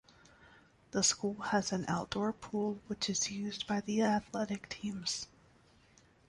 The school has an outdoor pool which is used by the athletic teams.